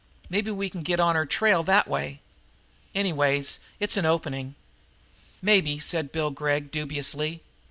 Maybe we can get on her trail that way. Anyways, it's an opening." "Maybe," said Bill Gregg dubiously.